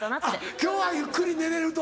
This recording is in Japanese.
今日はゆっくり寝れると。